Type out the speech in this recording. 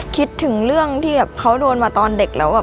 คิดถึงเรื่องที่แบบเขาโดนมาตอนเด็กแล้ว